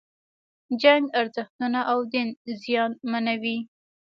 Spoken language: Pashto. جنگ ارزښتونه او دین زیانمنوي.